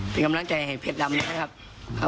เป็นกำลังใจให้เพชรดำนะครับ